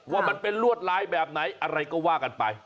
ว่ามันเป็นลวดลายแบบไหนอะไรก็ว่ากันไป